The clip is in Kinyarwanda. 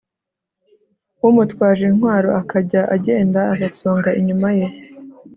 umutwaje intwaro akajya agenda abasonga inyuma ye